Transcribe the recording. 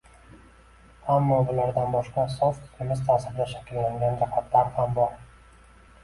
Ammo, bulardan boshqa – sof dinimiz ta’sirida shakllangan jihatlar ham bor.